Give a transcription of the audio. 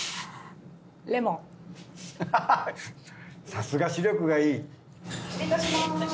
さすが視力がいい。